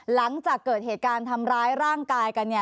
หลังจากเกิดเหตุการณ์ทำร้ายร่างกายกัน